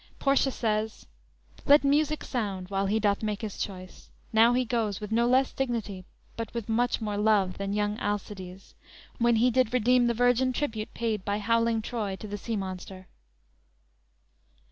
Portia says: _"Let music sound while he doth make his choice; Now he goes, With no less dignity, but with much more love Than young Alcides, when he did redeem The virgin tribute paid by howling Troy To the sea monster!"